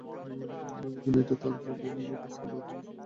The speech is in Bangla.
যদি মেয়েটি তাহার ইচ্ছা অনুযায়ী কাজ না করে, তবে তাহার কষ্ট হইবে।